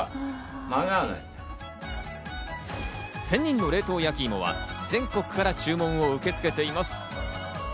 仙人の冷凍焼きいもは全国から注文を受け付けています。